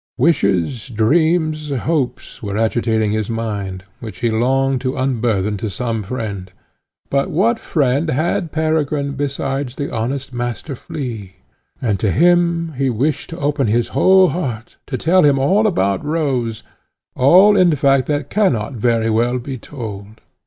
Wishes, dreams, hopes, were agitating his mind, which he longed to unburthen to some friend; but what friend had Peregrine besides the honest Master Flea? And to him he wished to open his whole heart, to tell him all about Rose, all in fact that cannot very well be told.